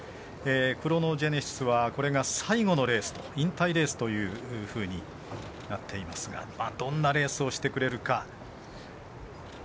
クロノジェネシスはこれが最後のレース引退レースというふうになっていますがどんなレースをしてくれるか。